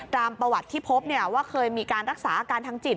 ตามประวัติที่พบว่าเคยมีการรักษาอาการทางจิต